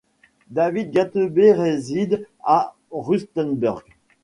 David Gatebe réside à Rustenburg.